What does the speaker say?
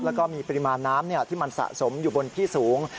แล้วก็มีปริมาณน้ำที่มันสะสมอยู่บนที่สูง